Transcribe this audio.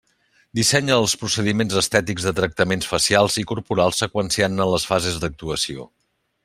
Dissenya els procediments estètics de tractaments facials i corporals seqüenciant-ne les fases d'actuació.